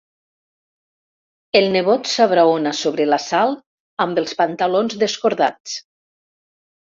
El nebot s'abraona sobre la Sal amb els pantalons descordats.